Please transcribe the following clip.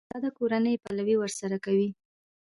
د شهزاده کورنۍ یې پلوی ورسره کوي.